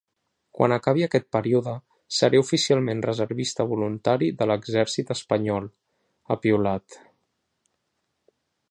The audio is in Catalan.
Quan acabi aquest període seré oficialment reservista voluntari de l’exèrcit espanyol, ha piulat.